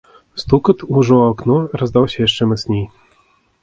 Стукат, ужо ў акно, раздаўся яшчэ мацней.